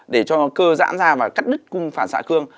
để cho cơ giãn ra và cắt đứt cung phản xạ cương